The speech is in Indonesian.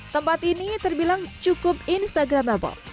tempat ini terbilang cukup instagramable